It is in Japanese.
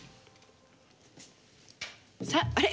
さああれ？